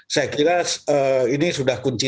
saya kira ini sudah kunci